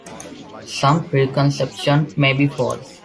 Some preconceptions may be false.